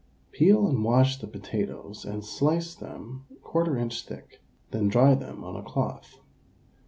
Peel and wash the potatoes, and slice them 1/4 inch thick, then dry them on a cloth.